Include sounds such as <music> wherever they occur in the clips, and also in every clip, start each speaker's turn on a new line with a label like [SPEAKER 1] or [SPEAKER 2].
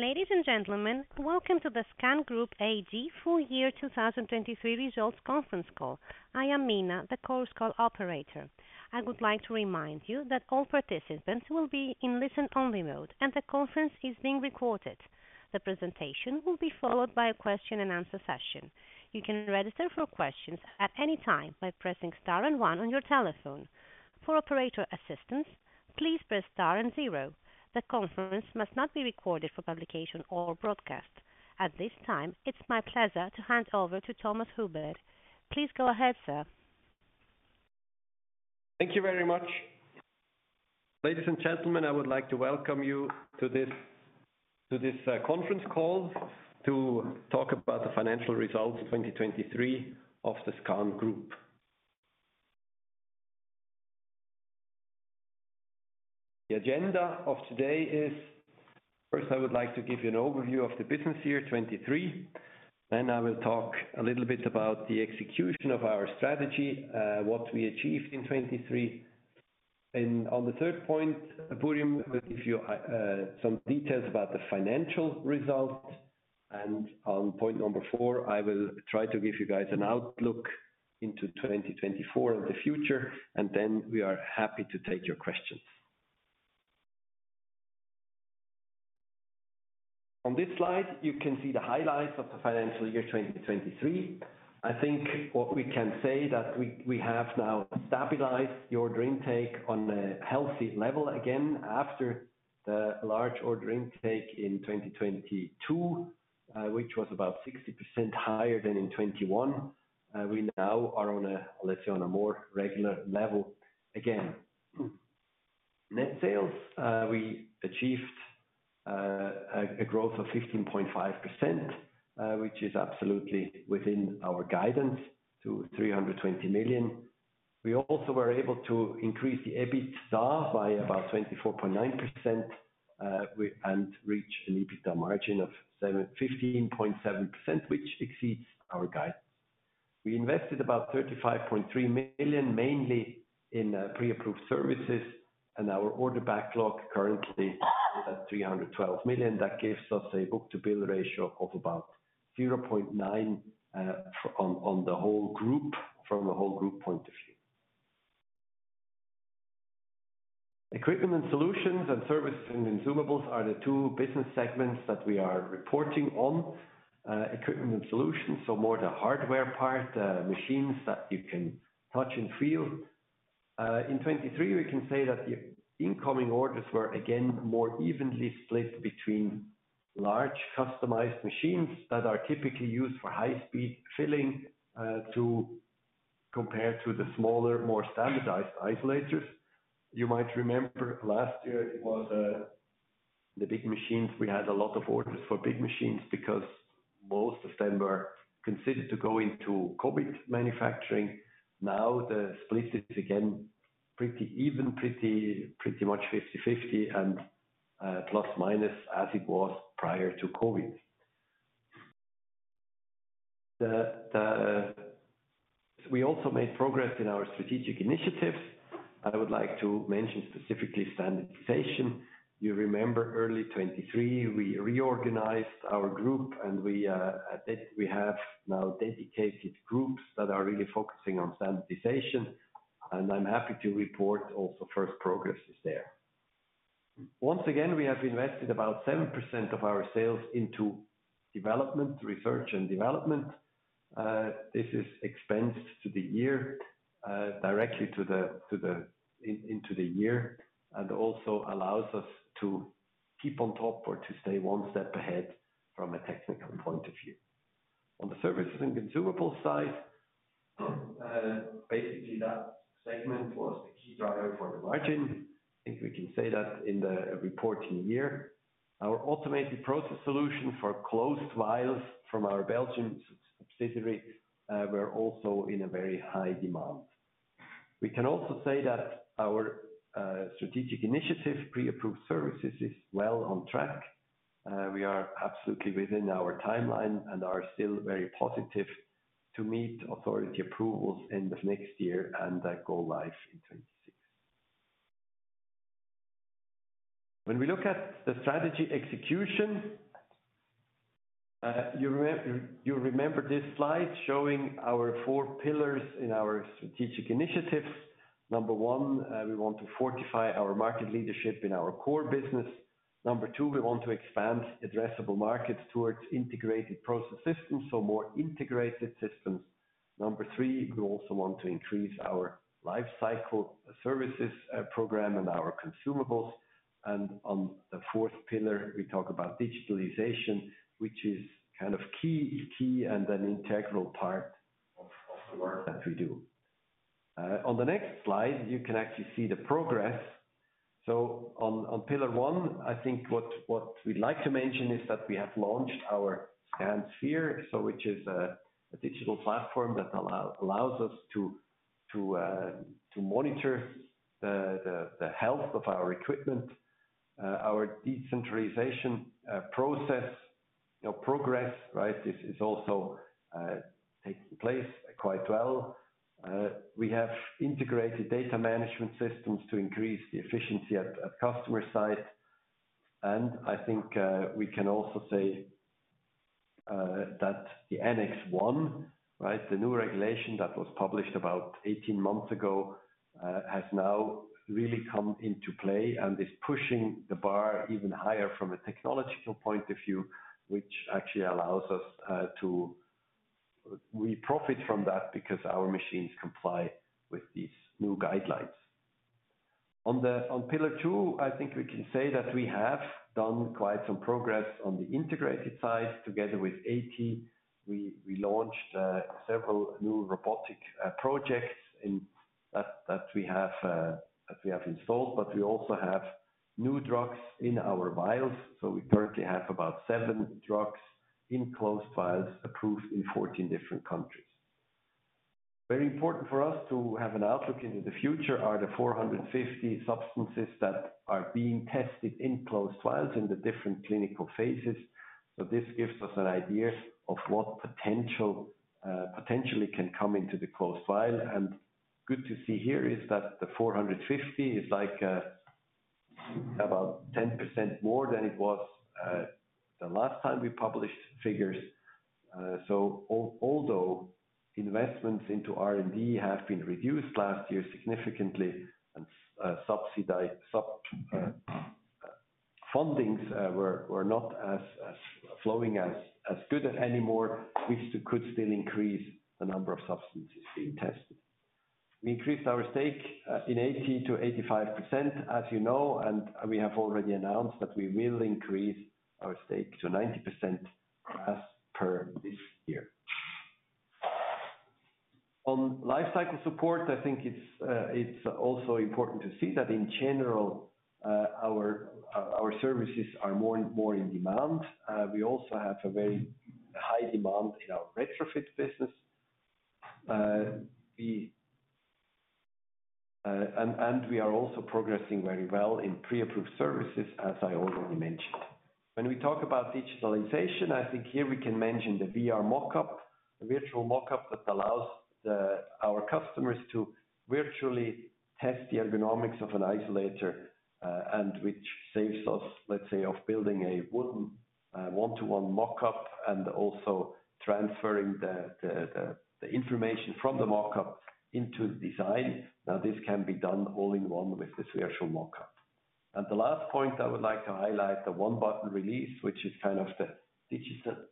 [SPEAKER 1] Ladies and gentlemen, welcome to the SKAN Group AG full year 2023 results conference call. I am Simone, the conference call operator. I would like to remind you that all participants will be in listen-only mode, and the conference is being recorded. The presentation will be followed by a question and answer session. You can register for questions at any time by pressing star and one on your telephone. For operator assistance, please press star and zero. The conference must not be recorded for publication or broadcast. At this time, it's my pleasure to hand over to Thomas Huber. Please go ahead, sir.
[SPEAKER 2] Thank you very much. Ladies and gentlemen, I would like to welcome you to this conference call to talk about the financial results of 2023 of the SKAN Group. The agenda of today is: first, I would like to give you an overview of the business year 2023, then I will talk a little bit about the execution of our strategy, what we achieved in 2023. And on the third point, Burim will give you some details about the financial results. And on point number four, I will try to give you guys an outlook into 2024 and the future, and then we are happy to take your questions. On this slide, you can see the highlights of the financial year 2023. I think what we can say that we have now stabilized your order intake on a healthy level again, after the large order intake in 2022, which was about 60% higher than in 2021. We now are on a, let's say, on a more regular level again. Net sales, we achieved a growth of 15.5%, which is absolutely within our guidance to 320 million. We also were able to increase the EBITDA by about 24.9%, and reach an EBITDA margin of 15.7%, which exceeds our guidance. We invested about 35.3 million, mainly in Pre-Approved Services, and our order backlog currently at 312 million. That gives us a book-to-bill ratio of about 0.9, on, on the whole group, from a whole group point of view. Equipment and Solutions, and Services and Consumables are the two business segments that we are reporting on. Equipment and Solutions, so more the hardware part, machines that you can touch and feel. In 2023, we can say that the incoming orders were again more evenly split between large customized machines that are typically used for high-speed filling compared to the smaller, more standardized isolators. You might remember last year it was the big machines. We had a lot of orders for big machines because most of them were considered to go into COVID manufacturing. Now, the split is again pretty even, pretty much 50/50, and plus minus as it was prior to COVID. We also made progress in our strategic initiatives. I would like to mention specifically standardization. You remember early 2023, we reorganized our group and we, I think we have now dedicated groups that are really focusing on standardization, and I'm happy to report also first progress is there. Once again, we have invested about 7% of our sales into development, research and development. This is expensed in the year, directly into the year, and also allows us to keep on top or to stay one step ahead from a technical point of view. On the Services and Consumables side, basically, that segment was the key driver for the margin. I think we can say that in the reporting year. Our automated process solution for closed vials from our Belgian subsidiary were also in a very high demand. We can also say that our strategic initiative, Pre-approved services, is well on track. We are absolutely within our timeline and are still very positive to meet authority approvals end of next year and go live in 2026. When we look at the strategy execution, you remember this slide showing our four pillars in our strategic initiatives. Number one, we want to fortify our market leadership in our core business. Number two, we want to expand addressable markets towards integrated process systems, so more integrated systems. Number three, we also want to increase our lifecycle services program and our consumables. On the fourth pillar, we talk about digitalization, which is kind of key, key and an integral part of the work that we do. On the next slide, you can actually see the progress. So on pillar one, I think what we'd like to mention is that we have launched our SKANsphere. So which is a digital platform that allows us to monitor the health of our equipment, our decentralization process. You know, progress, right? This is also taking place quite well. We have integrated data management systems to increase the efficiency at customer site. I think we can also say that the Annex 1, right, the new regulation that was published about 18 months ago, has now really come into play and is pushing the bar even higher from a technological point of view, which actually allows us to profit from that because our machines comply with these new guidelines. On pillar two, I think we can say that we have done quite some progress on the integrated side. Together with AT, we launched several new robotic projects that we have installed, but we also have new drugs in our vials. So we currently have about 7 drugs in closed vials, approved in 14 different countries. Very important for us to have an outlook into the future are the 450 substances that are being tested in closed vials in the different clinical phases. So this gives us an idea of what potential, potentially can come into the closed vial. And good to see here is that the 450 is like, about 10% more than it was, the last time we published figures. So although investments into R&D have been reduced last year significantly, and, subsidized fundings were not as flowing as good as anymore, we still could increase the number of substances being tested. We increased our stake, in AT to 85%, as you know, and we have already announced that we will increase our stake to 90% as per this year. On lifecycle support, I think it's also important to see that in general, our services are more and more in demand. We also have a very high demand in our retrofit business. We are also progressing very well in pre-approved services, as I already mentioned. When we talk about digitalization, I think here we can mention the VR mock-up, the virtual mock-up that allows our customers to virtually test the ergonomics of an isolator, and which saves us, let's say, of building a wooden one-to-one mock-up, and also transferring the information from the mock-up into the design. Now, this can be done all in one with this virtual mock-up. The last point I would like to highlight, the One-Button Release, which is kind of the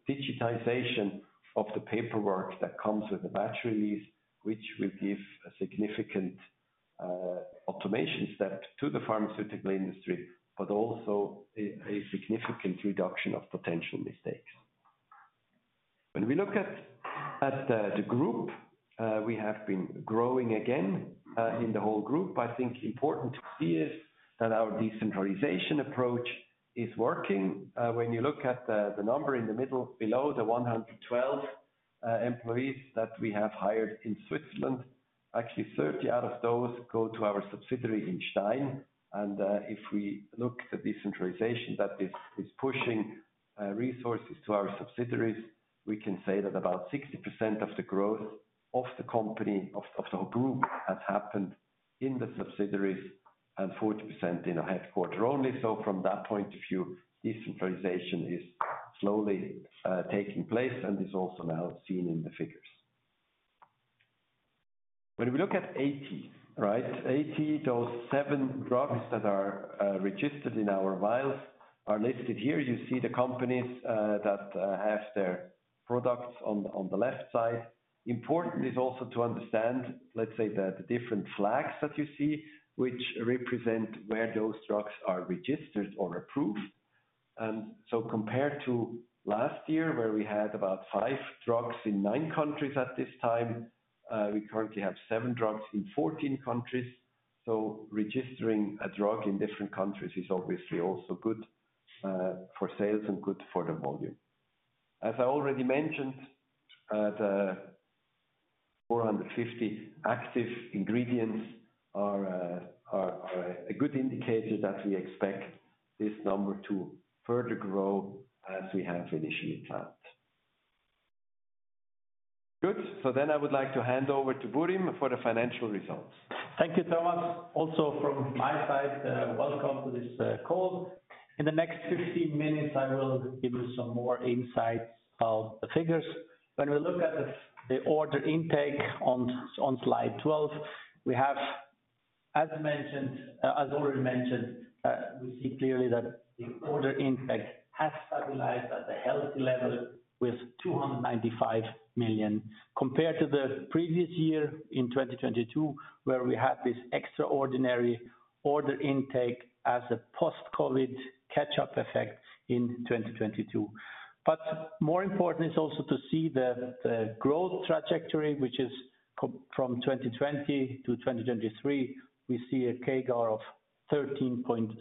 [SPEAKER 2] digitization of the paperwork that comes with the batch release, which will give a significant automation step to the pharmaceutical industry, but also a significant reduction of potential mistakes. When we look at the group, we have been growing again in the whole group. I think important to see is that our decentralization approach is working. When you look at the number in the middle, below the 112 employees that we have hired in Switzerland, actually 30 out of those go to our subsidiary in Stein. If we look at the decentralization, that is pushing resources to our subsidiaries, we can say that about 60% of the growth of the company, of the whole group, has happened in the subsidiaries and 40% in our headquarters only. From that point of view, decentralization is slowly taking place and is also now seen in the figures. When we look at AT, right? AT, those 7 drugs that are registered in our vials are listed here. You see the companies that have their products on the left side. Important is also to understand, let's say, the different flags that you see, which represent where those drugs are registered or approved. And so compared to last year, where we had about 5 drugs in 9 countries at this time, we currently have 7 drugs in 14 countries. So registering a drug in different countries is obviously also good for sales and good for the volume. As I already mentioned, the 450 active ingredients are a good indicator that we expect this number to further grow as we have initially planned. Good. So then I would like to hand over to Burim for the financial results.
[SPEAKER 3] Thank you, Thomas. Also from my side, welcome to this call. In the next 15 minutes, I will give you some more insights of the figures. When we look at the order intake on slide 12, we have, as mentioned, as already mentioned, we see clearly that the order intake has stabilized at a healthy level with 295 million. Compared to the previous year in 2022, where we had this extraordinary order intake as a post-COVID catch-up effect in 2022. But more important is also to see the growth trajectory, which is from 2020 to 2023, we see a CAGR of 13.6%.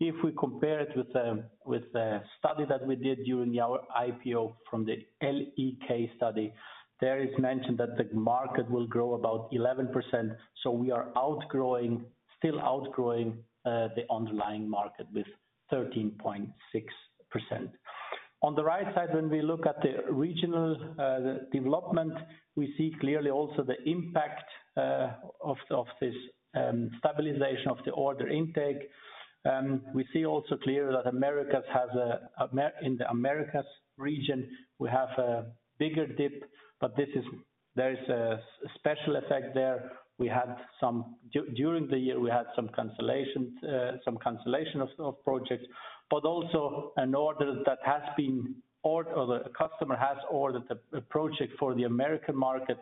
[SPEAKER 3] If we compare it with the study that we did during our IPO from the LEK study, there is mentioned that the market will grow about 11%. So we are outgrowing, still outgrowing, the underlying market with 13.6%. On the right side, when we look at the regional development, we see clearly also the impact of this stabilization of the order intake. We see also clearly that in the Americas region, we have a bigger dip, but this is, there is a special effect there. We had some during the year, we had some cancellations, some cancellation of projects, but also an order that has been ordered, or the customer has ordered a project for the American market,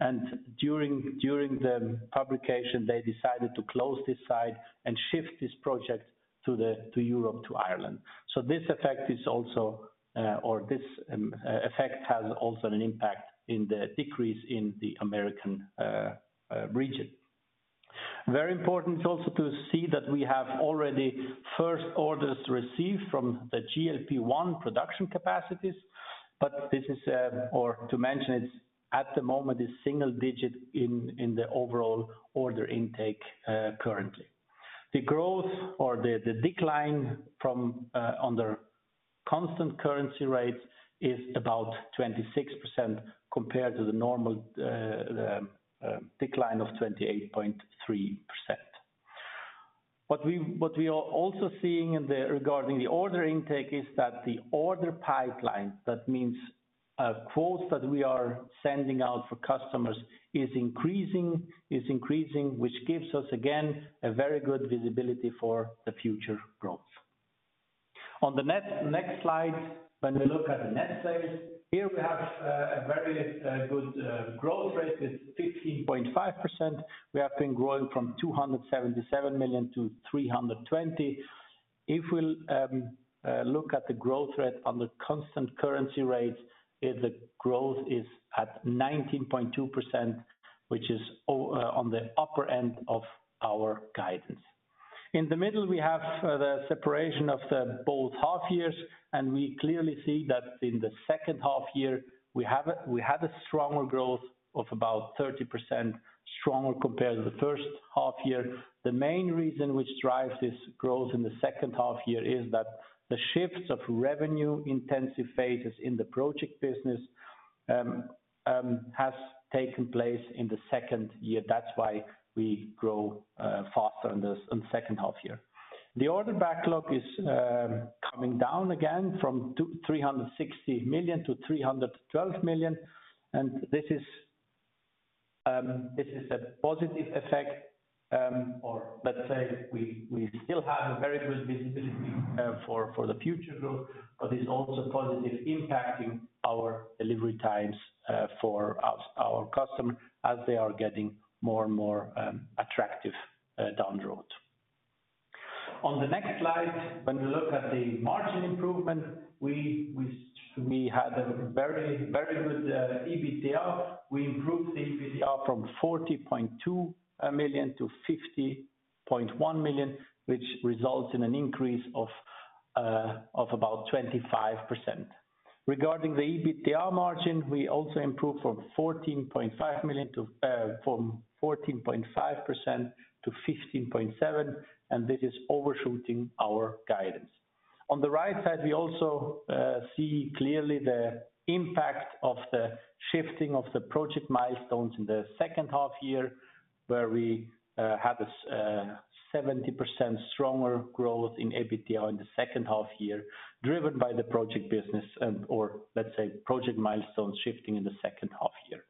[SPEAKER 3] and during the publication, they decided to close this site and shift this project to Europe, to Ireland. So this effect is also, or this effect has also an impact in the decrease in the Americas region. Very important also to see that we have already first orders received from the GLP-1 production capacities, but this is, or to mention it, at the moment, is single digit in the overall order intake, currently. The growth or the decline on the constant currency rates is about 26% compared to the normal decline of 28.3%. What we are also seeing regarding the order intake is that the order pipeline, that means a quote that we are sending out for customers, is increasing, which gives us, again, a very good visibility for the future growth. On the next, next slide, when we look at the net sales, here we have a very good growth rate, it's 15.5%. We have been growing from 277 million to 320 million. If we'll look at the growth rate on the constant currency rate, the growth is at 19.2%, which is on the upper end of our guidance. In the middle, we have the separation of both half years, and we clearly see that in the second half year, we had a stronger growth of about 30%, stronger compared to the first half year. The main reason which drives this growth in the second half year, is that the shifts of revenue intensive phases in the project business, has taken place in the second year. That's why we grow, faster in the, second half year. The order backlog is, coming down again from 260 million to 312 million, and this is, this is a positive effect. Or let's say, we, we still have a very good visibility, for, for the future growth, but it's also positive impacting our delivery times, for our, our customer as they are getting more and more, attractive, down the road. On the next slide, when we look at the margin improvement, we, we, we had a very, very good, EBITDA. We improved the EBITDA from 40.2 million to 50.1 million, which results in an increase of about 25%. Regarding the EBITDA margin, we also improved from fourteen point five million to from 14.5% to 15.7%, and this is overshooting our guidance. On the right side, we also see clearly the impact of the shifting of the project milestones in the second half year, where we have a 70% stronger growth in EBITDA in the second half year, driven by the project business, or let's say, project milestone shifting in the second half year.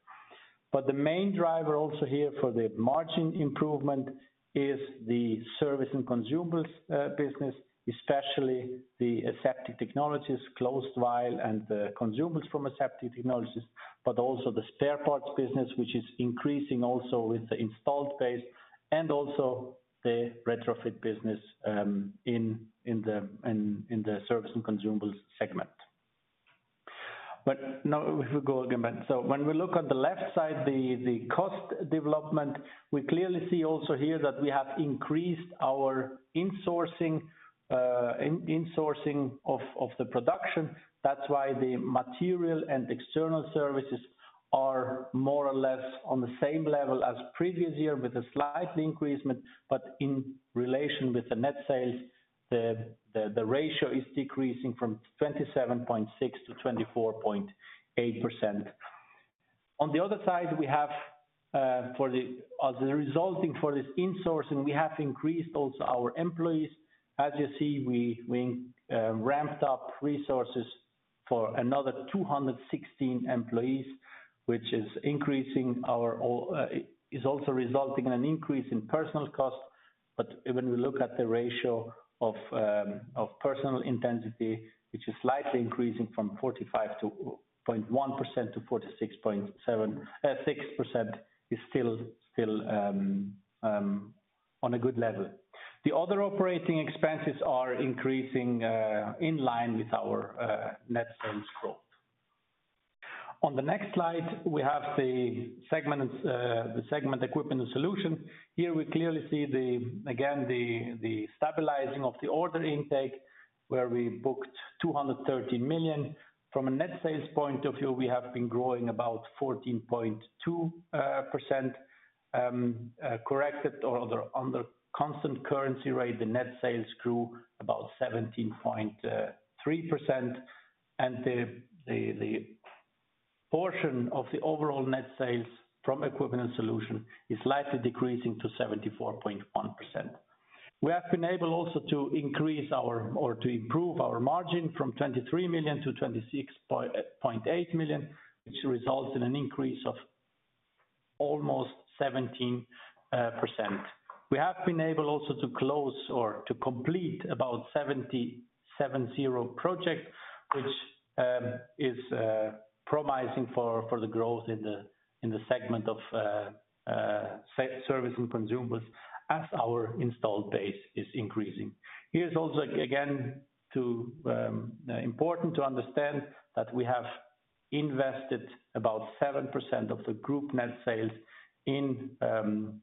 [SPEAKER 3] But the main driver also here for the margin improvement is the service and consumables business, especially the Aseptic Technologies closed vial, and the consumables from Aseptic Technologies, but also the spare parts business, which is increasing also with the installed base, and also the retrofit business in the service and consumables segment. But now, if we go again back. So when we look on the left side, the cost development, we clearly see also here that we have increased our insourcing of the production. That's why the material and external services are more or less on the same level as previous year, with a slight increase, but in relation with the net sales, the ratio is decreasing from 27.6% to 24.8%. On the other side, we have for the... As a result of this insourcing, we have increased also our employees. As you see, we ramped up resources for another 216 employees, which is also resulting in an increase in personnel cost. But when we look at the ratio of personnel intensity, which is slightly increasing from 45.1% to 46.76%, is still on a good level. The other operating expenses are increasing in line with our net sales growth. On the next slide, we have the segment Equipment and Solutions. Here we clearly see, again, the stabilizing of the order intake, where we booked 213 million. From a net sales point of view, we have been growing about 14.2%, corrected or under constant currency rate, the net sales grew about 17.3%, and the portion of the overall net sales from equipment solution is slightly decreasing to 74.1%. We have been able also to improve our margin from 23 million to 26.8 million, which results in an increase of almost 17%. We have been able also to close or to complete about 770 projects, which is promising for the growth in the segment of service and consumables, as our installed base is increasing. Here is also, again, too, important to understand, that we have invested about 7% of the group net sales in,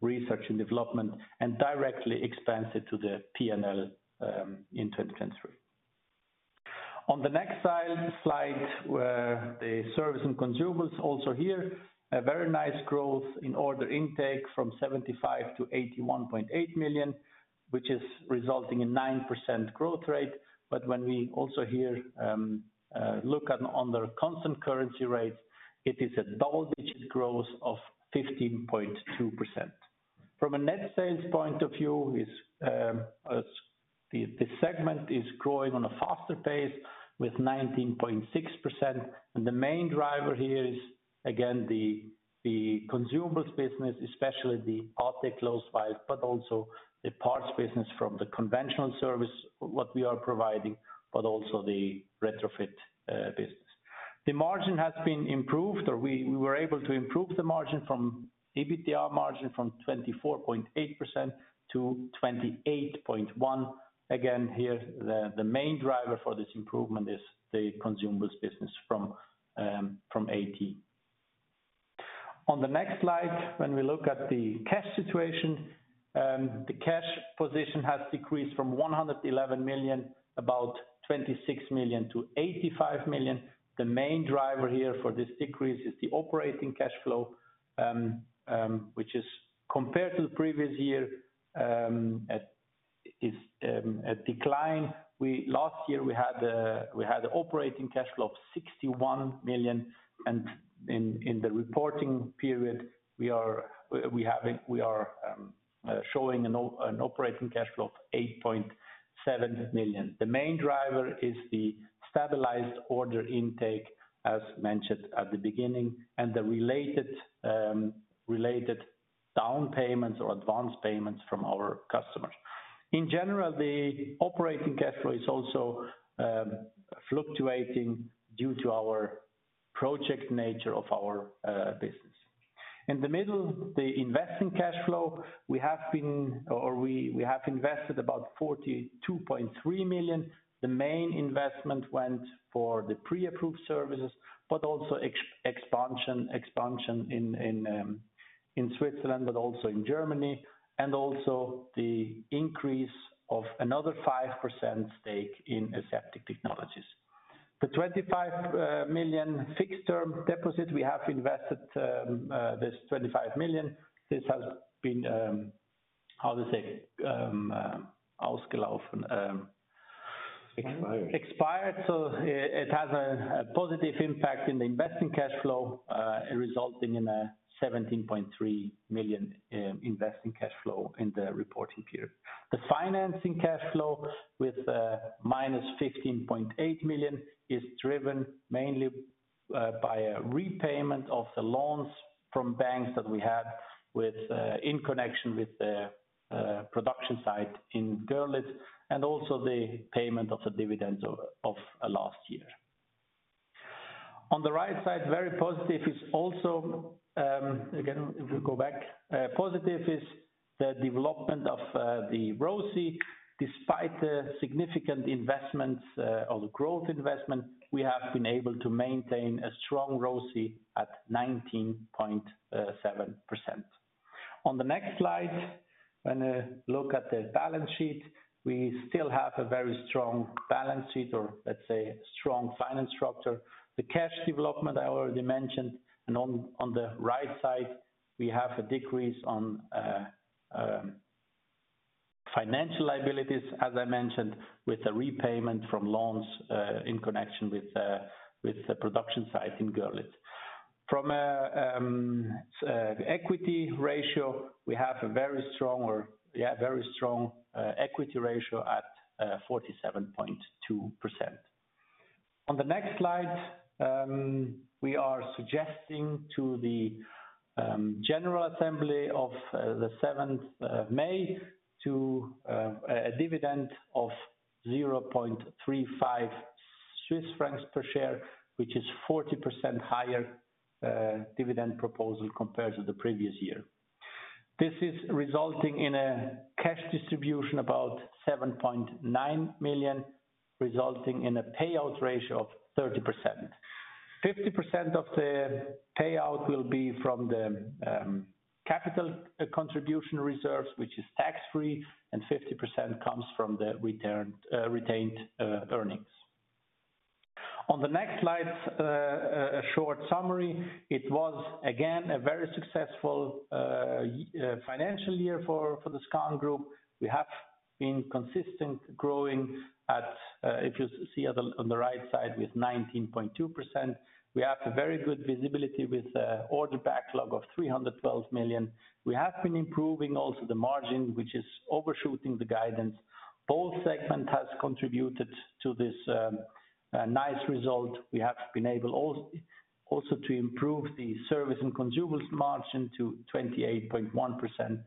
[SPEAKER 3] research and development, and directly expense it to the P&L, in 2023. On the next slide, where the service and consumables also here, a very nice growth in order intake from 75 million to 81.8 million, which is resulting in 9% growth rate. But when we also here, look at on the constant currency rates, it is a double-digit growth of 15.2%. From a net sales point of view, the segment is growing on a faster pace with 19.6%, and the main driver here is, again, the consumables business, especially the AT-Closed Vials, but also the parts business from the conventional service, what we are providing, but also the retrofit business. The margin has been improved, or we were able to improve the margin from—EBITDA margin from 24.8% to 28.1%. Again, here, the main driver for this improvement is the consumables business from AT. On the next slide, when we look at the cash situation, the cash position has decreased from 126 million to 85 million. The main driver here for this decrease is the operating cash flow, which is compared to the previous year, a decline. Last year, we had the operating cash flow of 61 million, and in the reporting period, we are showing an operating cash flow of 8.7 million. The main driver is the stabilized order intake, as mentioned at the beginning, and the related down payments or advanced payments from our customers. In general, the operating cash flow is also fluctuating due to our project nature of our business. In the middle, the investing cash flow, we have invested about 42.3 million. The main investment went for the pre-approved services, but also expansion in Switzerland, but also in Germany, and also the increase of another 5% stake in Aseptic Technologies. The 25 million fixed term deposit, we have invested this 25 million. This has been, how to say,
[SPEAKER 2] Expired.
[SPEAKER 3] Expired. So it has a positive impact in the investing cash flow, resulting in a 17.3 million investing cash flow in the reporting period. The financing cash flow, with minus 15.8 million, is driven mainly by a repayment of the loans from banks that we had with in connection with the production site in Görlitz, and also the payment of the dividends of last year. On the right side, very positive is also again, if we go back, positive is the development of the ROCE. Despite the significant investments or the growth investment, we have been able to maintain a strong ROCE at 19.7%. On the next slide, when I look at the balance sheet, we still have a very strong balance sheet, or let's say, strong finance structure. The cash development, I already mentioned, and on the right side, we have a decrease on financial liabilities, as I mentioned, with the repayment from loans in connection with with the production site in Görlitz. From a equity ratio, we have a very strong or yeah very strong equity ratio at 47.2%. On the next slide, we are suggesting to the general assembly of the seventh of May, to a dividend of 0.35 Swiss francs per share, which is 40% higher dividend proposal compared to the previous year. This is resulting in a cash distribution about 7.9 million, resulting in a payout ratio of 30%.... Fifty percent of the payout will be from the, capital contribution reserves, which is tax-free, and fifty percent comes from the return, retained, earnings. On the next slide, a short summary. It was, again, a very successful, financial year for the SKAN Group. We have been consistent, growing at, if you see on the right side, with 19.2%. We have a very good visibility with, order backlog of 312 million. We have been improving also the margin, which is overshooting the guidance. Both segment has contributed to this, nice result. We have been able also to improve the service and consumables margin to 28.1%,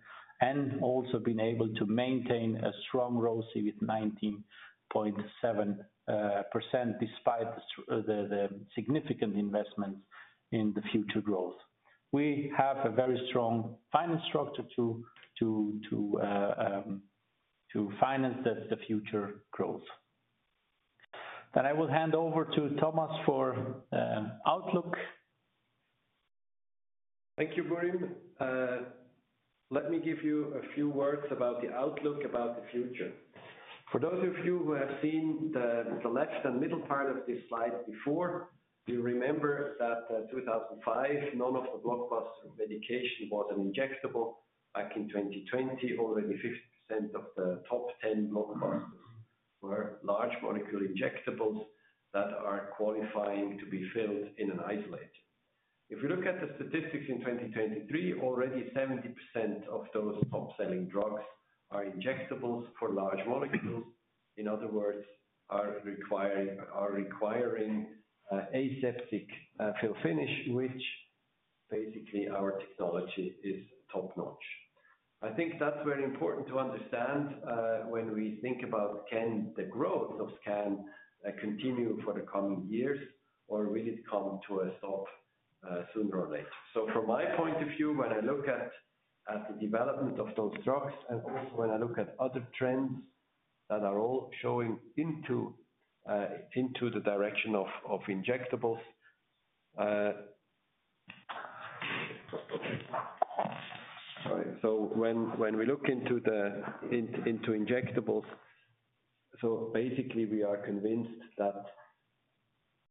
[SPEAKER 3] and also been able to maintain a strong ROCE with 19.7%, despite the significant investments in the future growth. We have a very strong financial structure to finance the future growth. Then I will hand over to Thomas for outlook.
[SPEAKER 2] Thank you, Burim. Let me give you a few words about the outlook, about the future. For those of you who have seen the left and middle part of this slide before, you remember that, 2005, none of the blockbuster medication was an injectable. Back in 2020, already 50% of the top 10 blockbusters were large molecule injectables that are qualifying to be filled in an isolator. If you look at the statistics in 2023, already 70% of those top-selling drugs are injectables for large molecules. In other words, are requiring, are requiring, aseptic fill finish, which basically our technology is top-notch. I think that's very important to understand, when we think about can the growth of SKAN continue for the coming years, or will it come to a stop, sooner or later? So from my point of view, when I look at the development of those drugs, and also when I look at other trends that are all showing into the direction of injectables. So when we look into injectables, so basically we are convinced that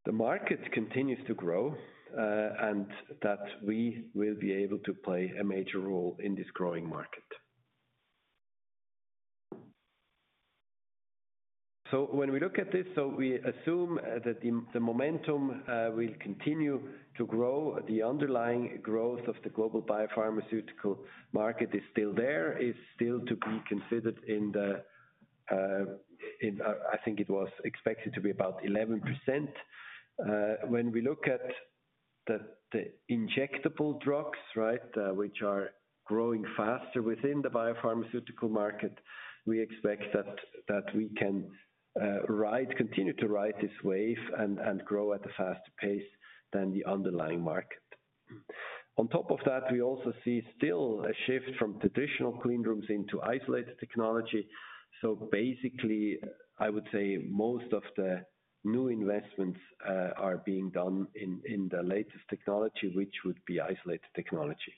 [SPEAKER 2] the market continues to grow, and that we will be able to play a major role in this growing market. So when we look at this, so we assume that the momentum will continue to grow. The underlying growth of the global biopharmaceutical market is still there, is still to be considered in the, I think it was expected to be about 11%. When we look at the injectable drugs, right, which are growing faster within the biopharmaceutical market, we expect that we can continue to ride this wave and grow at a faster pace than the underlying market. On top of that, we also see still a shift from traditional clean rooms into isolator technology. So basically, I would say most of the new investments are being done in the latest technology, which would be isolator technology.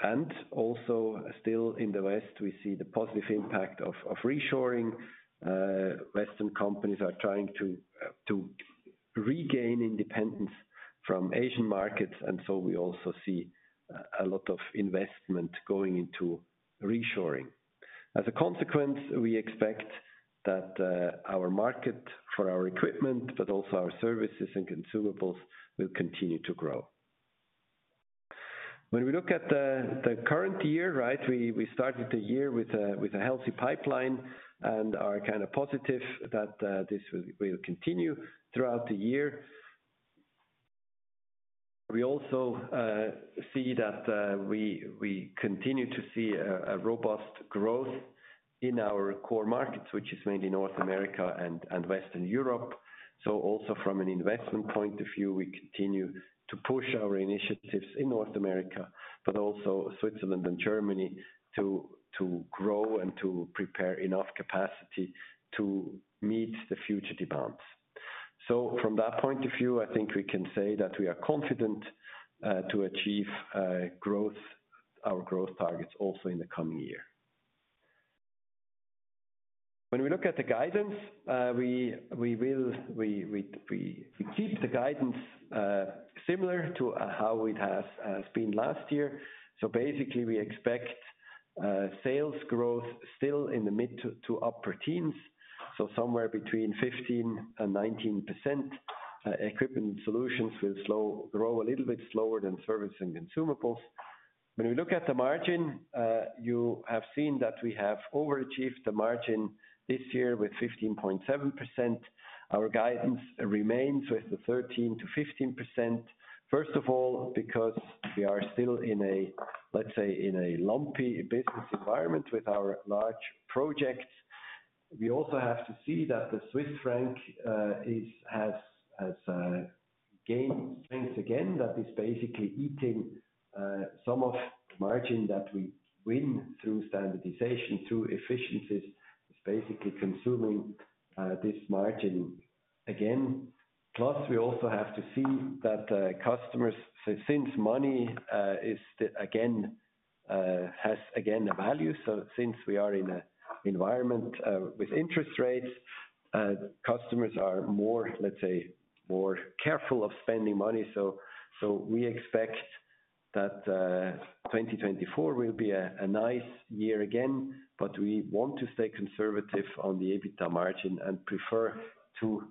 [SPEAKER 2] And also still in the West, we see the positive impact of reshoring. Western companies are trying to regain independence from Asian markets, and so we also see a lot of investment going into reshoring. As a consequence, we expect that our market for our equipment, but also our services and consumables, will continue to grow. When we look at the current year, right, we started the year with a healthy pipeline and are kind of positive that this will continue throughout the year. We also see that we continue to see a robust growth in our core markets, which is mainly North America and Western Europe. So also from an investment point of view, we continue to push our initiatives in North America, but also Switzerland and Germany, to grow and to prepare enough capacity to meet the future demands. So from that point of view, I think we can say that we are confident to achieve our growth targets also in the coming year. When we look at the guidance, we will keep the guidance similar to how it has been last year. So basically, we expect sales growth still in the mid to upper teens, so somewhere between 15% and 19%. Equipment solutions will grow a little bit slower than service and consumables. When we look at the margin, you have seen that we have overachieved the margin this year with 15.7%. Our guidance remains with the 13%-15%. First of all, because we are still in a, let's say, in a lumpy business environment with our large projects. We also have to see that the Swiss franc has gained strength again, that is basically eating some of the margin that we win through standardization, through efficiencies. is basically consuming this margin again. Plus, we also have to see that customers—so since money has again a value, so since we are in a environment with interest rates, customers are more, let's say, more careful of spending money. So we expect that 2024 will be a nice year again, but we want to stay conservative on the EBITDA margin and prefer to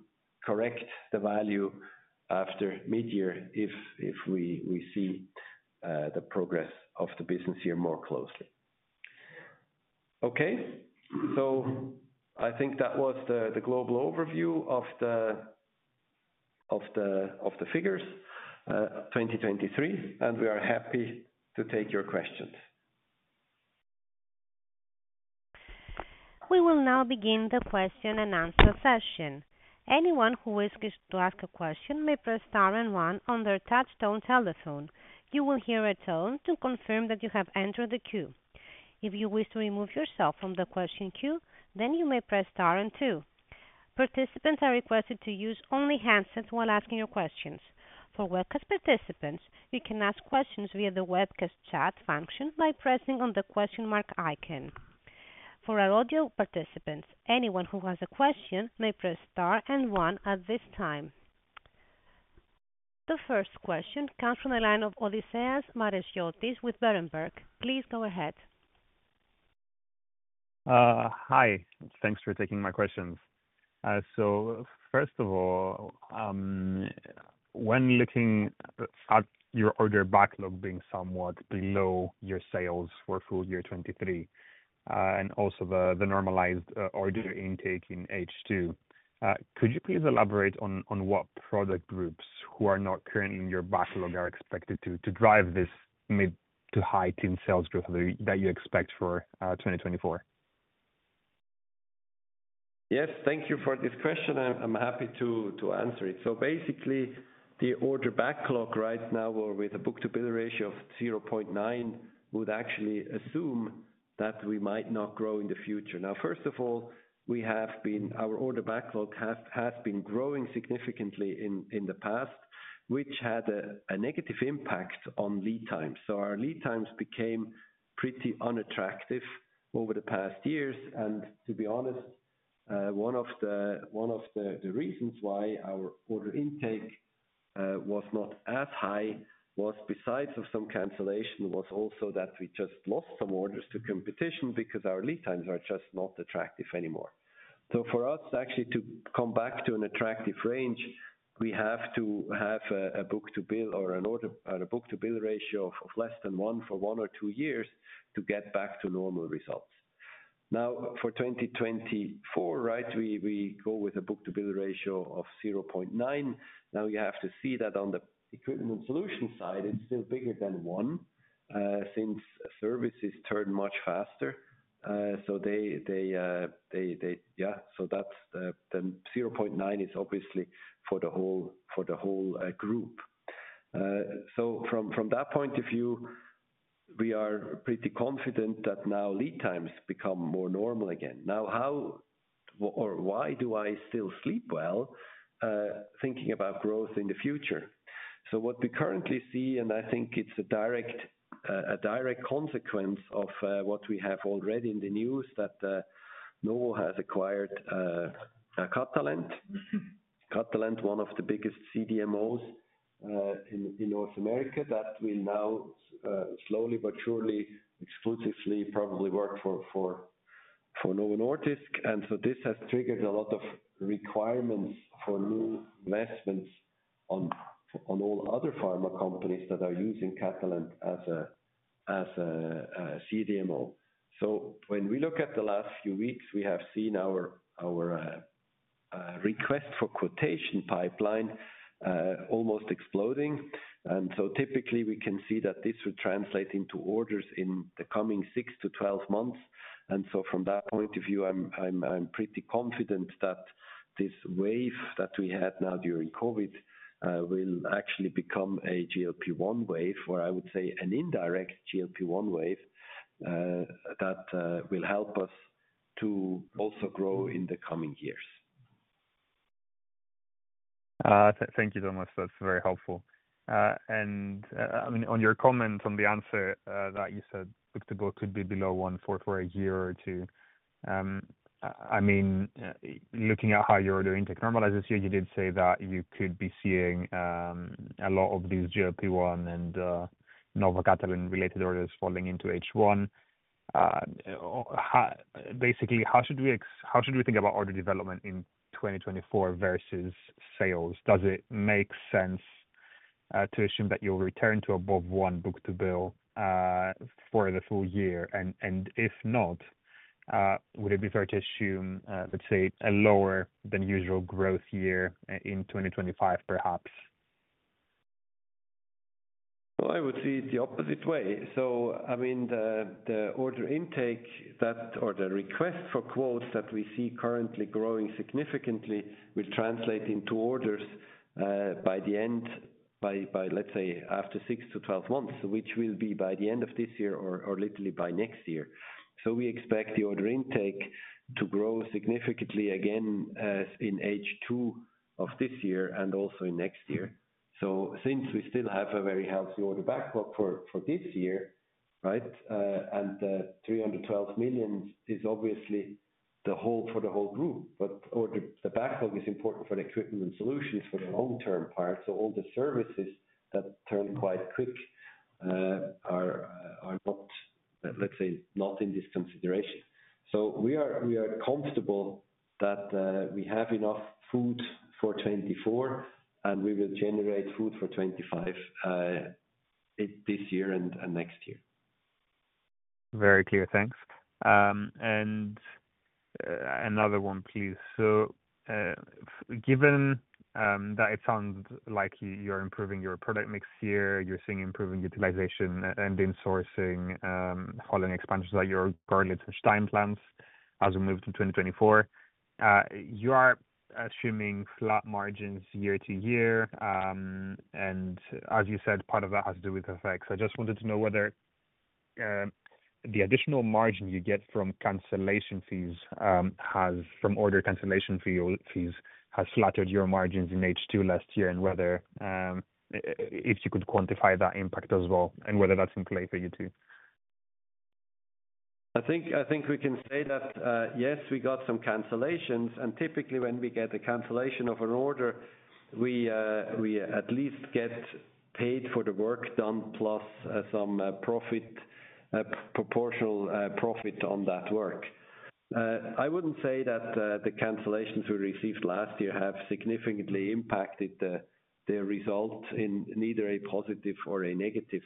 [SPEAKER 2] correct the value after mid-year, if we see the progress of the business year more closely. Okay, so I think that was the global overview of the figures 2023, and we are happy to take your questions.
[SPEAKER 1] We will now begin the question-and-d answer session. Anyone who wishes to ask a question may press star and one on their touchtone telephone. You will hear a tone to confirm that you have entered the queue. If you wish to remove yourself from the question queue, then you may press star and two. Participants are requested to use only handsets when asking your questions. For webcast participants, you can ask questions via the webcast chat function by pressing on the question mark icon. For our audio participants, anyone who has a question may press star and one at this time. The first question comes from the line of Odysseas Manesiotis with Berenberg. Please go ahead.
[SPEAKER 4] Hi, thanks for taking my questions. So first of all, when looking at your order backlog being somewhat below your sales for full year 2023, and also the normalized order intake in H2, could you please elaborate on what product groups who are not currently in your backlog, are expected to drive this mid- to high-teens sales growth that you expect for 2024?
[SPEAKER 2] Yes, thank you for this question. I'm happy to answer it. So basically, the order backlog right now, we're with a book-to-bill ratio of 0.9, would actually assume that we might not grow in the future. Now, first of all, we have been, our order backlog has been growing significantly in the past, which had a negative impact on lead times. So our lead times became pretty unattractive over the past years. And to be honest, one of the reasons why our order intake was not as high was, besides of some cancellation, also that we just lost some orders to competition because our lead times are just not attractive anymore. So for us, actually to come back to an attractive range, we have to have a book-to-bill or an order... A book-to-bill ratio of less than one for one or two years, to get back to normal results. Now, for 2024, right, we go with a book-to-bill ratio of 0.9. Now, you have to see that on the equipment solution side, it's still bigger than one, since services turn much faster. So that's the 0.9 is obviously for the whole, for the whole, group. So from that point of view, we are pretty confident that now lead times become more normal again. Now, how or why do I still sleep well, thinking about growth in the future? So what we currently see, and I think it's a direct, a direct consequence of, what we have already in the news, that, Novo has acquired, Catalent. Catalent, one of the biggest CDMOs, in North America, that will now slowly but surely, exclusively, probably work for Novo Nordisk. And so this has triggered a lot of requirements for new investments on all other pharma companies that are using Catalent as a CDMO. So when we look at the last few weeks, we have seen our request for quotation pipeline almost exploding. And so typically, we can see that this would translate into orders in the coming six to 12 months. And so from that point of view, I'm pretty confident that this wave that we had now during COVID will actually become a GLP-1 wave, or I would say an indirect GLP-1 wave, that will help us to also grow in the coming years.
[SPEAKER 4] Thank you so much. That's very helpful. And I mean, on your comments on the answer that you said book-to-bill could be below one for a year or two. I mean, looking at how you're doing to normalize this year, you did say that you could be seeing a lot of these GLP-1 and Novo Catalent related orders falling into H1. Basically, how should we think about order development in 2024 versus sales? Does it make sense to assume that you'll return to above one book-to-bill for the full year? And if not, would it be fair to assume, let's say, a lower than usual growth year in 2025, perhaps?...
[SPEAKER 2] Well, I would see it the opposite way. So, I mean, the order intake that, or the request for quotes that we see currently growing significantly, will translate into orders, by the end, let's say, after 6-12 months, which will be by the end of this year or literally by next year. So we expect the order intake to grow significantly again, in H2 of this year and also in next year. So since we still have a very healthy order backlog for this year, right? And the 312 million is obviously the whole for the whole group, but or the backlog is important for the equipment solutions for the long-term part. So all the services that turn quite quick are not, let's say, not in this consideration. We are comfortable that we have enough food for 2024, and we will generate food for 2025 this year and next year.
[SPEAKER 4] Very clear. Thanks. And, another one, please. So, given that it sounds like you're improving your product mix here, you're seeing improving utilization and insourcing, following expansions at your Görlitz and Stein plants as we move to 2024. You are assuming flat margins year to year, and as you said, part of that has to do with effects. I just wanted to know whether the additional margin you get from cancellation fees from order cancellation fees has flattered your margins in H2 last year, and whether, if you could quantify that impact as well, and whether that's in play for you, too.
[SPEAKER 2] I think we can say that, yes, we got some cancellations, and typically when we get a cancellation of an order, we at least get paid for the work done, plus some profit proportional profit on that work. I wouldn't say that the cancellations we received last year have significantly impacted the results in neither a positive or a negative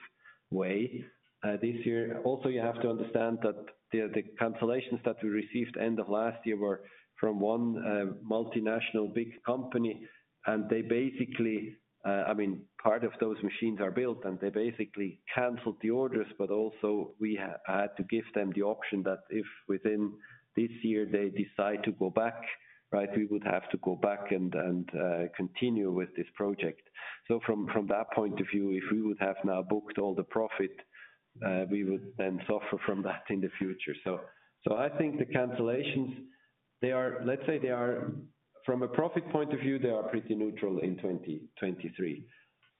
[SPEAKER 2] way. This year, also, you have to understand that the cancellations that we received end of last year were from one multinational big company, and they basically, I mean, part of those machines are built, and they basically canceled the orders, but also we had to give them the option that if within this year they decide to go back, right, we would have to go back and continue with this project. So from that point of view, if we would have now booked all the profit, we would then suffer from that in the future. So I think the cancellations, they are, let's say they are from a profit point of view, they are pretty neutral in 2023.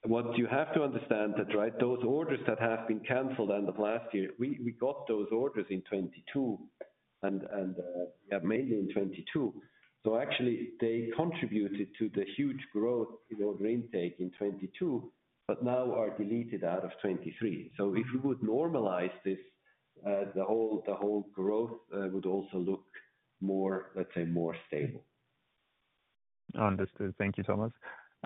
[SPEAKER 2] What you have to understand that, right, those orders that have been canceled end of last year, we got those orders in 2022 and mainly in 2022. So actually, they contributed to the huge growth in order intake in 2022, but now are deleted out of 2023. So if we would normalize this, the whole growth would also look more, let's say, more stable.
[SPEAKER 4] Understood. Thank you, Thomas.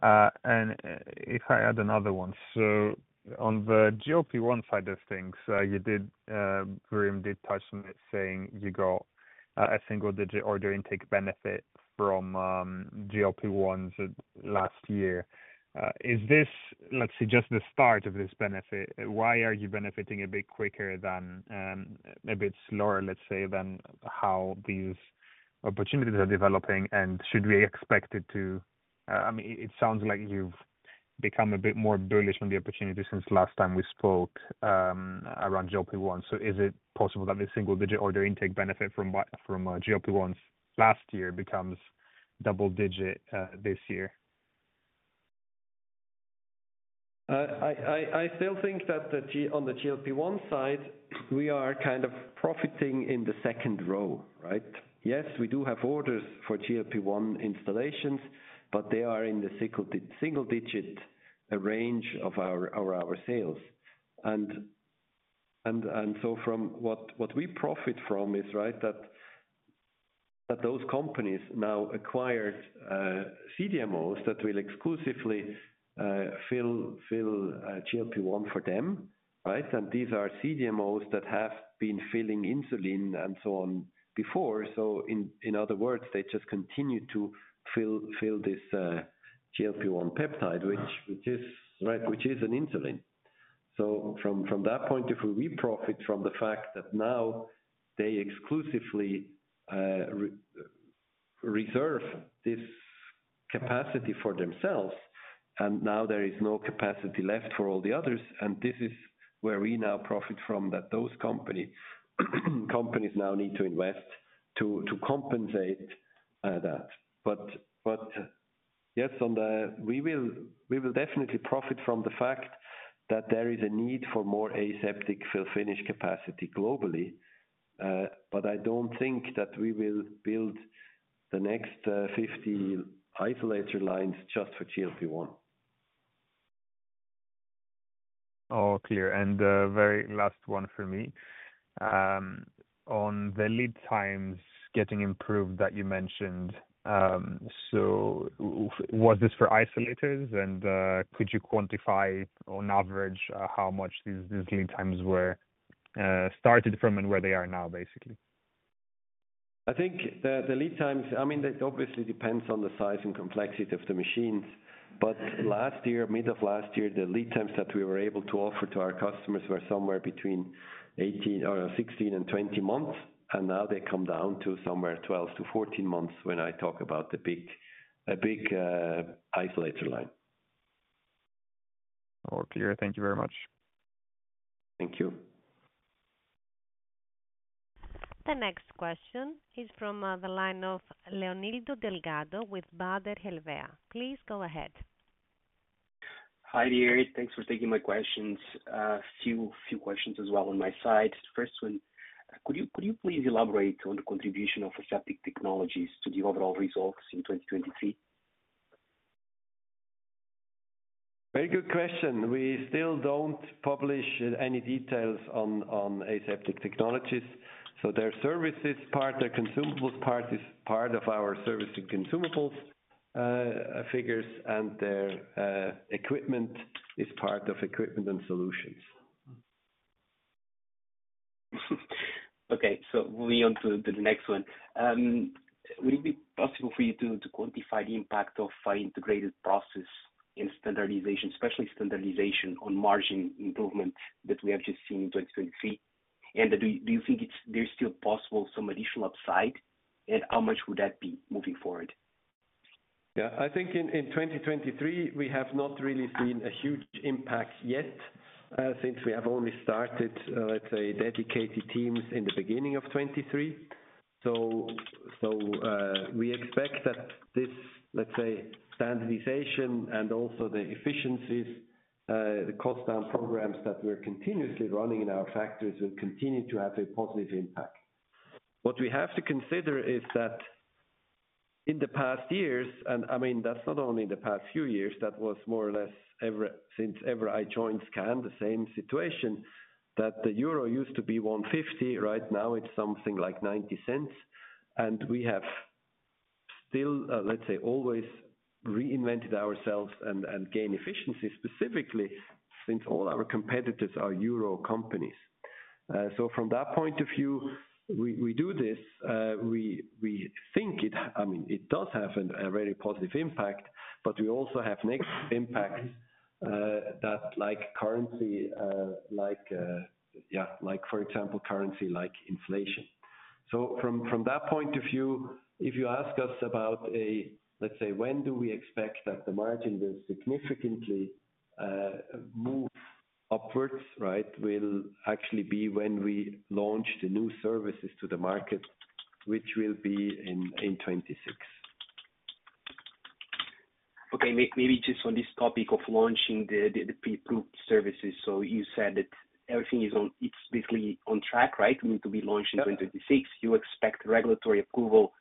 [SPEAKER 4] And if I add another one. So on the GLP-1 side of things, you did, Graham did touch on it, saying you got a single digit order intake benefit from GLP-1s last year. Is this, let's say, just the start of this benefit? Why are you benefiting a bit quicker than a bit slower, let's say, than how these opportunities are developing? And should we expect it to, I mean, it sounds like you've become a bit more bullish on the opportunity since last time we spoke around GLP-1. So is it possible that the single digit order intake benefit from GLP-1s last year becomes double digit this year?
[SPEAKER 2] I still think that on the GLP-1 side, we are kind of profiting in the second row, right? Yes, we do have orders for GLP-1 installations, but they are in the single digit range of our sales. So from what we profit from is, right, that those companies now acquire CDMOs that will exclusively fill GLP-1 for them, right? These are CDMOs that have been filling insulin and so on before. In other words, they just continue to fill this GLP-1 peptide, which is an insulin. So from that point of view, we profit from the fact that now they exclusively reserve this capacity for themselves, and now there is no capacity left for all the others, and this is where we now profit from, that those companies now need to invest to compensate that. But yes, we will definitely profit from the fact that there is a need for more aseptic fill finish capacity globally. But I don't think that we will build the next 50 isolator lines just for GLP-1.
[SPEAKER 4] All clear, and the very last one for me. On the lead times getting improved that you mentioned, so was this for isolators? And, could you quantify on average how much these lead times were started from and where they are now, basically?...
[SPEAKER 2] I think the lead times, I mean, that obviously depends on the size and complexity of the machines. But last year, mid of last year, the lead times that we were able to offer to our customers were somewhere between 18 or 16 and 20 months, and now they come down to somewhere 12-14 months when I talk about a big isolator line.
[SPEAKER 4] All clear. Thank you very much.
[SPEAKER 2] Thank you.
[SPEAKER 1] The next question is from the line of Leonildo Delgado with Baader Helvea. Please go ahead.
[SPEAKER 5] Hi, Erich. Thanks for taking my questions. Few questions as well on my side. First one, could you please elaborate on the contribution of Aseptic Technologies to the overall results in 2023?
[SPEAKER 2] Very good question. We still don't publish any details on, on Aseptic Technologies, so their services part, their consumables part is part of our service and consumables figures, and their equipment is part of equipment and solutions.
[SPEAKER 5] Okay. So moving on to the next one. Would it be possible for you to quantify the impact of our integrated process in standardization, especially standardization on margin improvement that we have just seen in 2023? And do you think there's still possible some additional upside, and how much would that be moving forward?
[SPEAKER 2] Yeah. I think in 2023, we have not really seen a huge impact yet, since we have only started, let's say, dedicated teams in the beginning of 2023. So, we expect that this, let's say, standardization and also the efficiencies, the cost down programs that we're continuously running in our factories will continue to have a positive impact. What we have to consider is that in the past years, and I mean, that's not only in the past few years, that was more or less ever since ever I joined SKAN, the same situation, that the euro used to be 1.50, right now it's something like 0.90. And we have still, let's say, always reinvented ourselves and, and gain efficiency specifically, since all our competitors are euro companies. So from that point of view, we do this, we think it, I mean, it does have a very positive impact, but we also have net impact that like currency, like, for example, currency like inflation. So from that point of view, if you ask us about a, let's say, when do we expect that the margin will significantly move upwards, right? It will actually be when we launch the new services to the market, which will be in 2026.
[SPEAKER 5] Okay. Maybe just on this topic of launching the pre-approved services. So you said that everything is basically on track, right? I mean, to be launched in 2026.
[SPEAKER 2] Yeah.
[SPEAKER 5] You expect regulatory approval,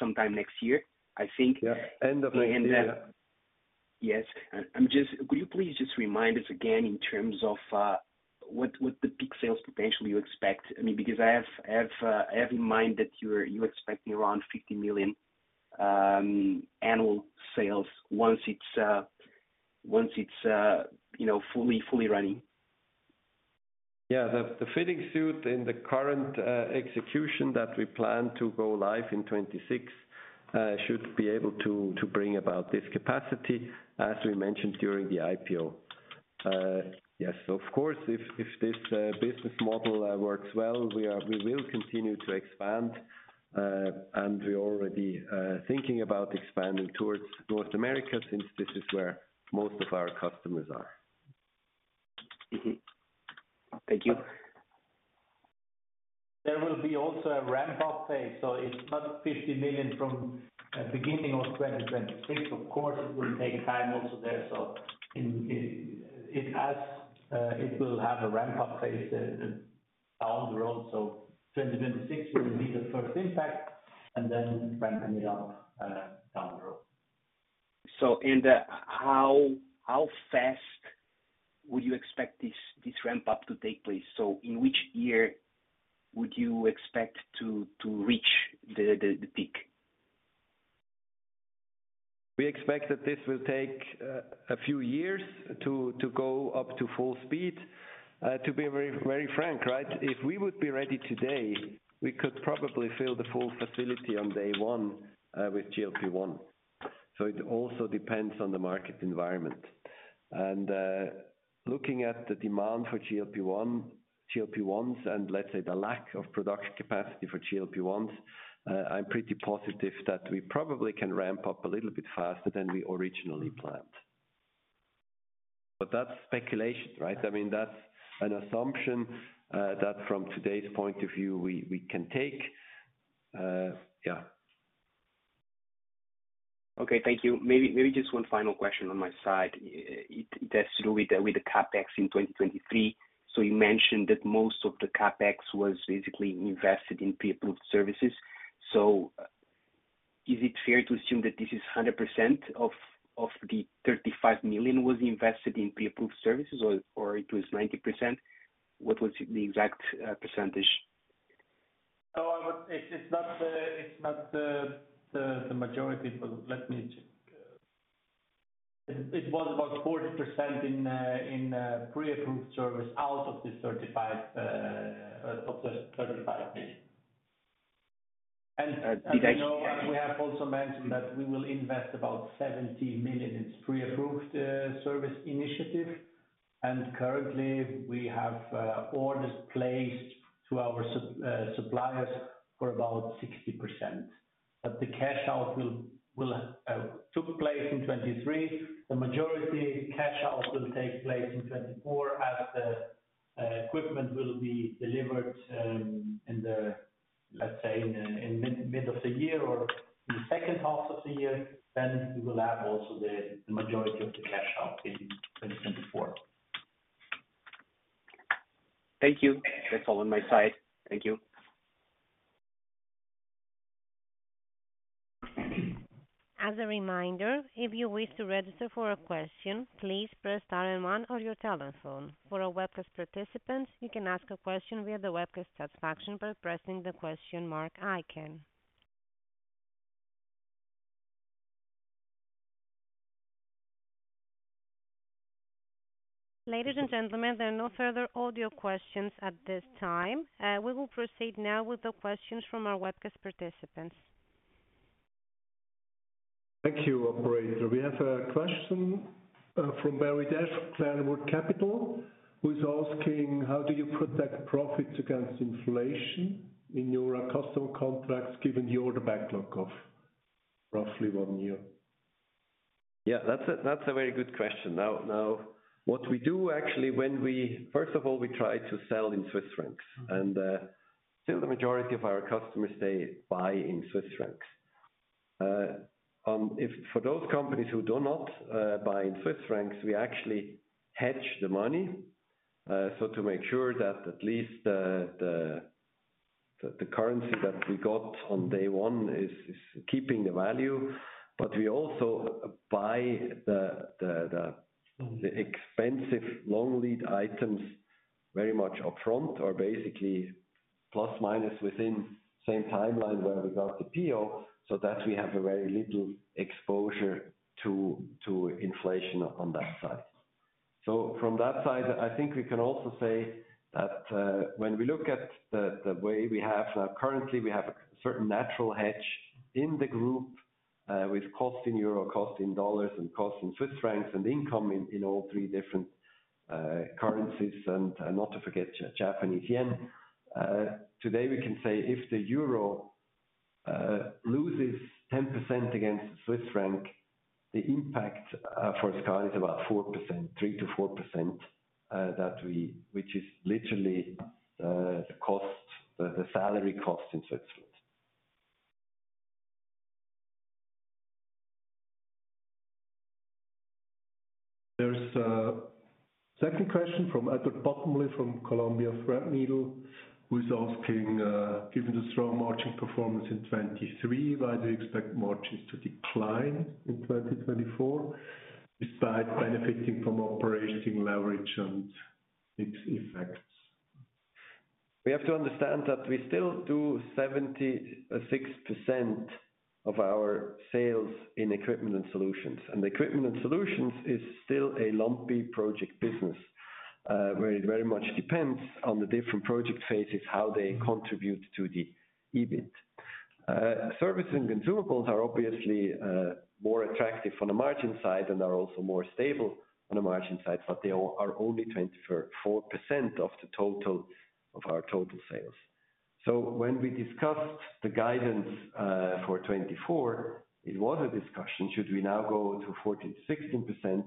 [SPEAKER 5] sometime next year, I think.
[SPEAKER 2] Yeah. End of the year.
[SPEAKER 5] Yes. I'm just... Could you please just remind us again in terms of what the peak sales potential you expect? I mean, because I have in mind that you're expecting around 50 million annual sales once it's you know, fully running.
[SPEAKER 2] Yeah. The fitting suit in the current execution that we plan to go live in 2026 should be able to bring about this capacity, as we mentioned during the IPO. Yes, of course, if this business model works well, we will continue to expand, and we're already thinking about expanding towards North America since this is where most of our customers are.
[SPEAKER 5] Mm-hmm. Thank you.
[SPEAKER 2] There will be also a ramp-up phase, so it's not 50 million from beginning of 2026. Of course, it will take time also there, so it will have a ramp-up phase down the road. So 2026 will be the first impact and then ramping it up down the road.
[SPEAKER 5] How fast would you expect this ramp up to take place? So in which year would you expect to reach the peak?
[SPEAKER 2] We expect that this will take a few years to go up to full speed. To be very, very frank, right, if we would be ready today, we could probably fill the full facility on day one with GLP-1. So it also depends on the market environment. And looking at the demand for GLP-1, GLP-1s and let's say the lack of production capacity for GLP-1s, I'm pretty positive that we probably can ramp up a little bit faster than we originally planned. But that's speculation, right? I mean, that's an assumption that from today's point of view, we can take, yeah.
[SPEAKER 5] Okay, thank you. Maybe, maybe just one final question on my side. It has to do with the CapEx in 2023. So you mentioned that most of the CapEx was basically invested in pre-approved services. So is it fair to assume that this is 100% of the 35 million was invested in pre-approved services or it was 90%? What was the exact percentage?
[SPEAKER 2] So I would... It's not the majority, but let me check....
[SPEAKER 3] It was about 40% in pre-approved service out of the certified business.
[SPEAKER 2] As you know, we have also mentioned that we will invest about 70 million in pre-approved services initiative. Currently we have orders placed to our suppliers for about 60%. But the cash out will took place in 2023. The majority cash out will take place in 2024, as the equipment will be delivered, let's say, in mid of the year or in the second half of the year, then we will have also the majority of the cash out in 2024.
[SPEAKER 5] Thank you. That's all on my side. Thank you.
[SPEAKER 1] As a reminder, if you wish to register for a question, please press star and one on your telephone. For our webcast participants, you can ask a question via the webcast task function by pressing the question mark icon. Ladies and gentlemen, there are no further audio questions at this time. We will proceed now with the questions from our webcast participants.
[SPEAKER 6] Thank you, operator. We have a question from, <inaudible> Clearwater Capital, who's asking: how do you protect profits against inflation in your customer contracts, given the order backlog of roughly one year?
[SPEAKER 2] Yeah, that's a very good question. Now, what we do actually, when we first of all, we try to sell in Swiss francs. And still the majority of our customers, they buy in Swiss francs. If for those companies who do not buy in Swiss francs, we actually hedge the money, so to make sure that at least the currency that we got on day one is keeping the value. But we also buy the expensive long lead items very much upfront or basically plus minus within same timeline where we got the PO, so that we have a very little exposure to inflation on that side. So from that side, I think we can also say that, when we look at the way we have currently, we have a certain natural hedge in the group, with cost in euro, cost in dollars, and cost in Swiss francs, and income in all three different currencies, and not to forget, Japanese yen. Today, we can say, if the euro loses 10% against the Swiss franc, the impact for SKAN is about 4%, 3%-4%, which is literally the salary cost in Swiss francs.
[SPEAKER 6] There's a second question from Edward Bottomley, from Columbia Threadneedle, who's asking: Given the strong margin performance in 2023, why do you expect margins to decline in 2024, despite benefiting from operating leverage and its effects?
[SPEAKER 2] We have to understand that we still do 76% of our sales in equipment and solutions. Equipment and solutions is still a lumpy project business, where it very much depends on the different project phases, how they contribute to the EBIT. Service and consumables are obviously more attractive on the margin side and are also more stable on the margin side, but they are only 24% of the total of our total sales. When we discussed the guidance for 2024, it was a discussion, should we now go to 14-16%?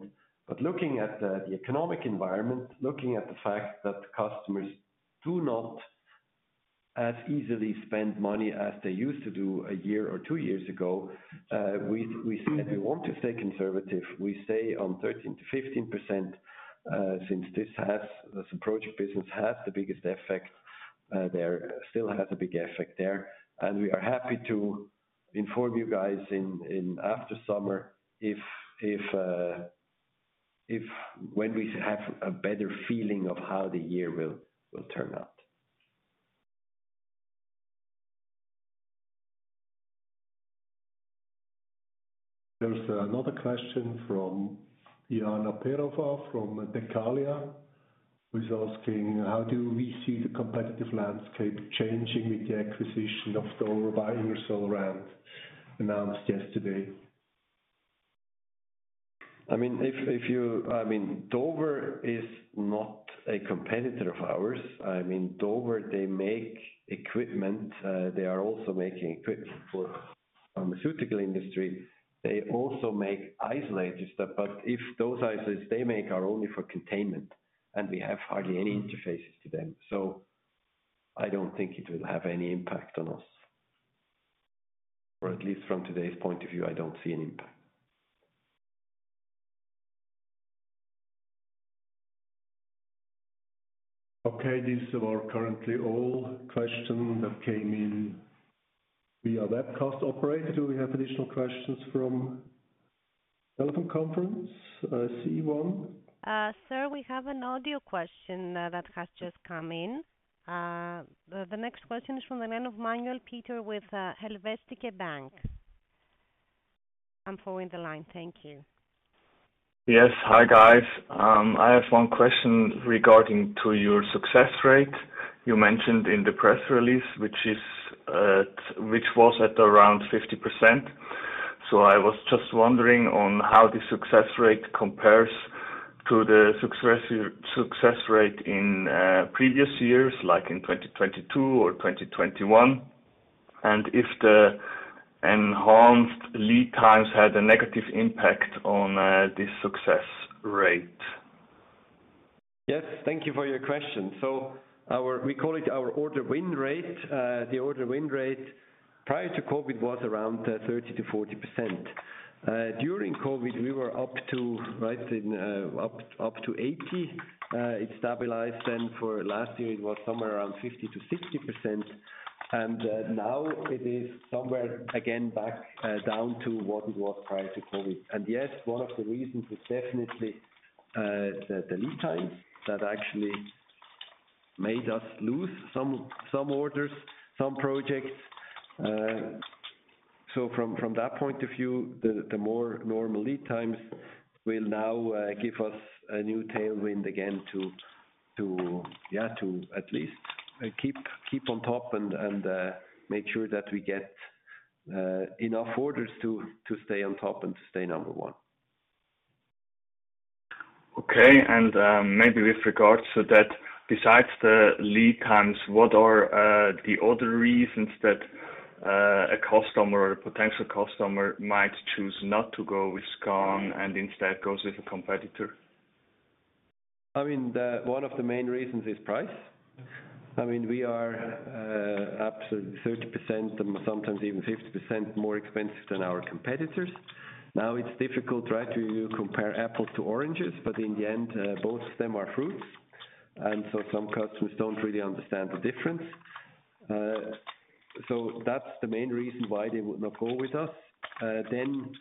[SPEAKER 2] Looking at the economic environment, looking at the fact that customers do not as easily spend money as they used to do a year or two years ago, we said we want to stay conservative. We stay on 13%-15%, since this has, this project business has the biggest effect there, still has a big effect there. And we are happy to inform you guys in after summer, when we have a better feeling of how the year will turn out.
[SPEAKER 6] There's another question from Iana Perova, from DECALIA, who's asking: How do we see the competitive landscape changing with the acquisition of Dover by Ingersoll Rand, announced yesterday?
[SPEAKER 2] I mean, Dover is not a competitor of ours. I mean, Dover, they make equipment. They are also making equipment for pharmaceutical industry. They also make isolators, but if those isolators they make are only for containment, and we have hardly any interfaces to them. So I don't think it will have any impact on us, or at least from today's point of view, I don't see an impact.
[SPEAKER 6] Okay, these are our currently all questions that came in via webcast. Operator, do we have additional questions from telephone conference? Simone.
[SPEAKER 1] Sir, we have an audio question that has just come in. The next question is from the man of Manuel Peter, with Helvetische Bank. I'm following the line. Thank you.
[SPEAKER 7] Yes. Hi, guys. I have one question regarding to your success rate. You mentioned in the press release, which was at around 50%. So I was just wondering on how the success rate compares to the success rate in previous years, like in 2022 or 2021, and if the enhanced lead times had a negative impact on this success rate?
[SPEAKER 2] Yes, thank you for your question. So our—we call it our order win rate. The order win rate, prior to COVID, was around 30%-40%. During COVID, we were up to, right in, up to 80%. It stabilized, then for last year, it was somewhere around 50%-60%, and now it is somewhere again, back down to what it was prior to COVID. And yes, one of the reasons is definitely the lead time that actually made us lose some orders, some projects. So from that point of view, the more normal lead times will now give us a new tailwind again, to yeah, to at least keep on top and make sure that we get enough orders to stay on top and to stay number one.
[SPEAKER 7] Okay. And, maybe with regards to that, besides the lead times, what are the other reasons that a customer or a potential customer might choose not to go with SKAN and instead goes with a competitor?
[SPEAKER 2] I mean, one of the main reasons is price. I mean, we are up to 30% and sometimes even 50% more expensive than our competitors. Now, it's difficult, right, to compare apples to oranges, but in the end, both of them are fruits, and so some customers don't really understand the difference. So that's the main reason why they would not go with us. Then,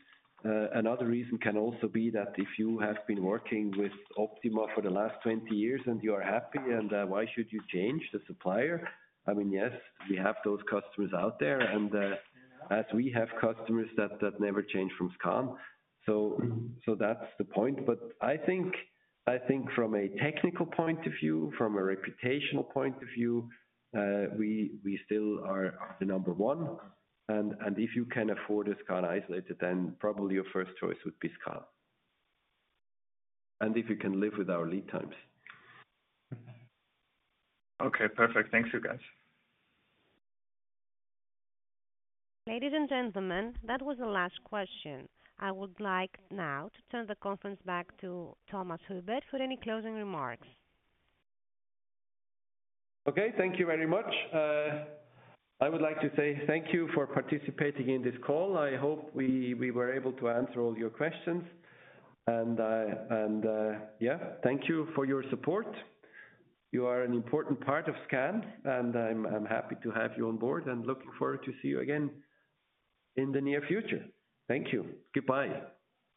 [SPEAKER 2] another reason can also be that if you have been working with Optima for the last 20 years and you are happy, and, why should you change the supplier? I mean, yes, we have those customers out there, and, as we have customers that never change from SKAN, so, that's the point. But I think, I think from a technical point of view, from a reputational point of view, we still are the number one. And if you can afford a SKAN isolator, then probably your first choice would be SKAN. And if you can live with our lead times.
[SPEAKER 7] Okay, perfect. Thanks, you guys.
[SPEAKER 1] Ladies and gentlemen, that was the last question. I would like now to turn the conference back to Thomas Huber for any closing remarks.
[SPEAKER 2] Okay, thank you very much. I would like to say thank you for participating in this call. I hope we were able to answer all your questions. And, yeah, thank you for your support. You are an important part of SKAN, and I'm happy to have you on board and looking forward to see you again in the near future. Thank you. Goodbye.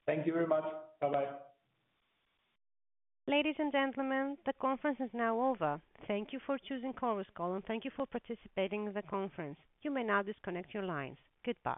[SPEAKER 6] Thank you very much. Bye-bye.
[SPEAKER 1] Ladies and gentlemen, the conference is now over. Thank you for choosing Chorus Call, and thank you for participating in the conference. You may now disconnect your lines. Goodbye.